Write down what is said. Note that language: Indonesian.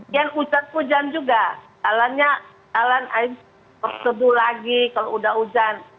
dan hujan hujan juga kalanya air tersebut lagi kalau udah hujan